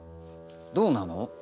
どうなの？